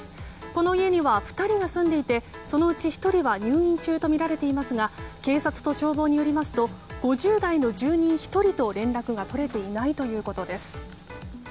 この家には２人が住んでいてそのうち１人は入院中とみられていますが警察と消防によりますと５０代の住人１人と連絡が取れていないということです。